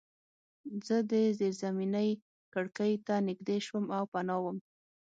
زه د زیرزمینۍ کړکۍ ته نږدې شوم او پناه وم